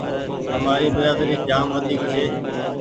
همآري برآدري جآم وڍيڪ ڇي۔